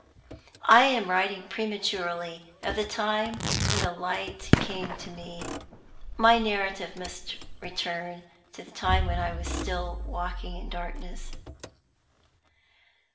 I am writing prematurely of the time when the light came to me. My narrative must return to the time when I was still walking in darkness.